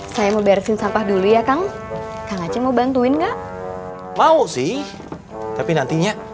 saya mau beresin sampah dulu ya kang kang aceh mau bantuin nggak mau sih tapi nantinya